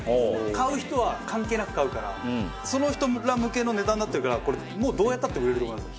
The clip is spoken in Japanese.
買う人は関係なく買うからその人ら向けの値段になってるからもうどうやったって売れると思います。